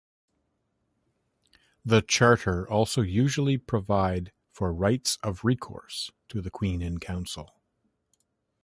The charter also usually provide for rights of recourse to the Queen in Council.